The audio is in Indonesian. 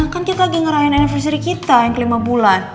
kan kita lagi ngerain anniversary kita yang kelima bulan